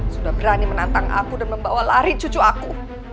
sudah berani menantang aku dan membawa lari cucu aku